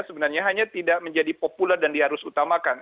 sebenarnya hanya tidak menjadi populer dan diharus utamakan